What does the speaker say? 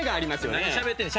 何しゃべってんねん。